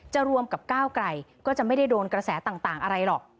รวมกับก้าวไกลก็จะไม่ได้โดนกระแสต่างอะไรหรอก